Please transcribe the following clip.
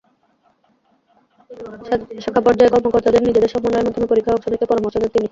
শাখা পর্যায়ে কর্মকর্তাদের নিজেদের সমন্বয়ের মাধ্যমে পরীক্ষায় অংশ নিতে পরামর্শ দেন তিনি।